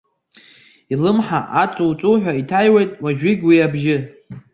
Илымҳа аҵу-ҵуҳәа иҭаҩуеит уажәыгь уи абжьы.